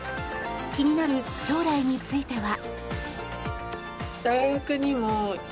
気になる将来については。